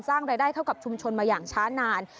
สร้างรายได้เท่ากับชุมชนมาอย่างช้านาน